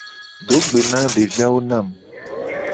Do gbe na devi awo na mu.